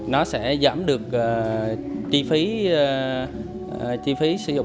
nó sẽ giảm được chi phí sử dụng điện năng của lưới